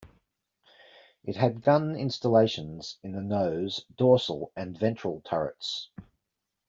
It had gun installations in the nose, dorsal and ventral turrets.